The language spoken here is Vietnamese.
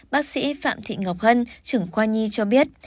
bác sĩ phạm thị ngọc hân trưởng khoa nhi cho biết